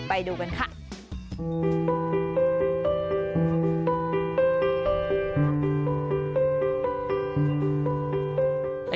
ไปดูก่อนครับ